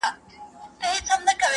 پلار ورو ورو کمزوری کيږي ډېر